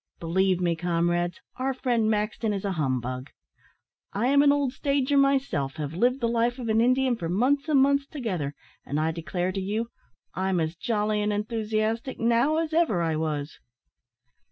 Believe me, comrades, our friend Maxton is a humbug. I am an old stager myself; have lived the life of an Indian for months and months together, and I declare to you, I'm as jolly and enthusiastic now as ever I was."